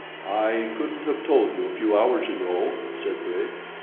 "I couldn't have told you a few hours ago," said Bridge.